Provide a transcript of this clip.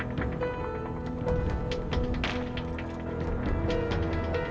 baru tau rasa dia